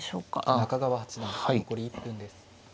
中川八段残り１分です。